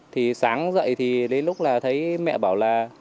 thì sáng dậy thì đến lúc là thấy mẹ bảo là